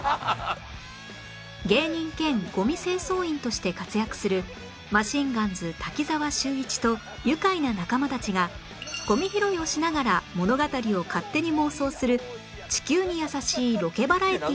芸人兼ごみ清掃員として活躍するマシンガンズ滝沢秀一と愉快な仲間たちがごみ拾いをしながら物語を勝手に妄想する地球に優しいロケバラエティ